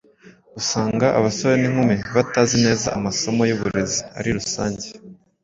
usanga abasore n’inkumi batazi neza amasomo y’uburezi ari rusange.